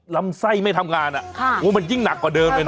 ลำไส้ไม่ทำงานมันยิ่งหนักกว่าเดิมเลยนะ